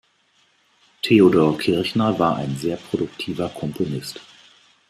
Theodor Kirchner war ein sehr produktiver Komponist.